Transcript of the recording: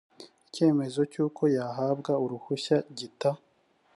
icyemezo cy uko yahabwa uruhushya gita